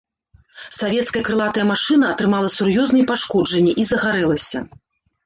Савецкая крылатая машына атрымала сур'ёзныя пашкоджанні і загарэлася.